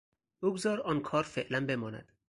بگذار آن کار فعلا بماند.